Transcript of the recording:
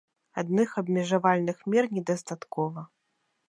Адных абмежавальных мер недастаткова.